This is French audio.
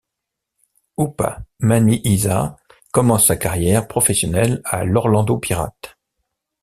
Oupa Manyisa commence sa carrière professionnelle à l'Orlando Pirates.